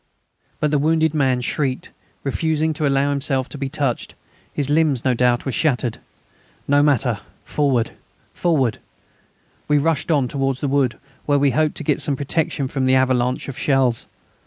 But the wounded man shrieked, refusing to allow himself to be touched; his limbs, no doubt, were shattered. No matter! Forward! Forward! We rushed on towards the wood, where we hoped to get some protection from the avalanche of shells.